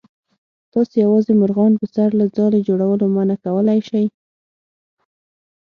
تاسو یوازې مرغان په سر له ځالې جوړولو منع کولی شئ.